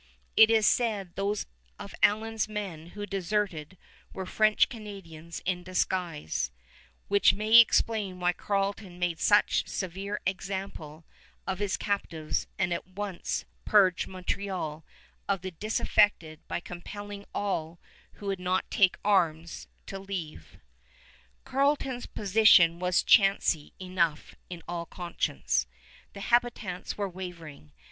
It is said those of Allen's men who deserted were French Canadians in disguise which may explain why Carleton made such severe example of his captives and at once purged Montreal of the disaffected by compelling all who would not take arms to leave. Carleton's position was chancy enough in all conscience. The habitants were wavering.